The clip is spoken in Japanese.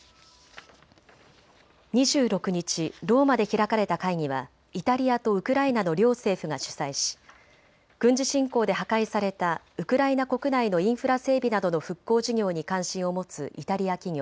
２６日、ローマで開かれた会議はイタリアとウクライナの両政府が主催し、軍事侵攻で破壊されたウクライナ国内のインフラ整備などの復興事業に関心を持つイタリア企業